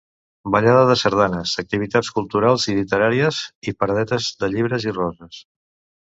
Ballada de sardanes, activitats culturals i literàries i paradetes de llibres i roses.